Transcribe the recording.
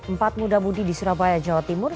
empat muda mudi di surabaya jawa timur